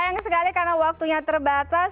sayang sekali karena waktunya terbatas